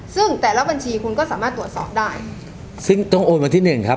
ซึ่งแต่ละบัญชีคุณก็สามารถตรวจสอบได้ซึ่งต้องโอนวันที่หนึ่งครับ